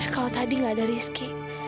kalau tadi nggak ada rizky